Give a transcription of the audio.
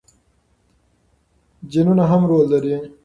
جینونه هم رول لري.